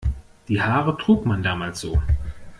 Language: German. Die Haare trug man damals so.